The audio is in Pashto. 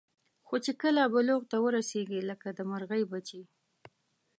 خو چې کله بلوغ ته ورسېږي لکه د مرغۍ بچي.